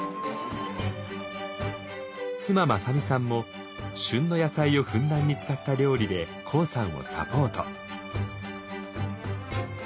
妻正美さんも旬の野菜をふんだんに使った料理でＫＯＯさんをサポート。